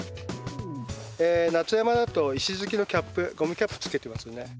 夏山だと石突きのキャップゴムキャップつけてますね。